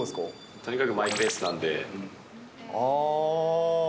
とにかくマイペースなんで。